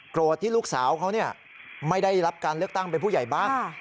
ที่ลูกสาวเขาไม่ได้รับการเลือกตั้งเป็นผู้ใหญ่บ้าน